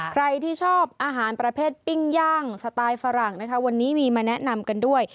ใครที่ชอบอาหารประเภทปิ้งย่างสไตล์ฝรั่งนะคะวันนี้มีมาแนะนำกันด้วย